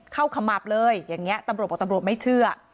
ขมับเลยอย่างนี้ตำรวจบอกตำรวจไม่เชื่อ